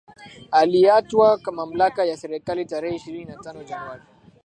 alitwaa mamlaka ya serikali tarehe ishirini na tano Januari